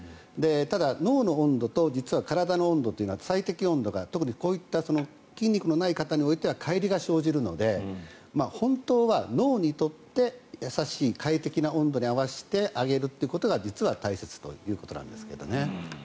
ただ、脳の温度と体の温度というのは最適温度が特にこういった筋肉のない方においてはかい離が生じるので本当は脳にとって優しい快適な温度に合わせてあげるということが実は大切ということなんですけどね。